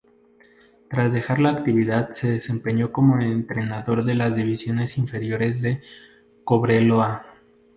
Tras dejar la actividad se desempeñó como entrenador de las divisiones inferiores de Cobreloa.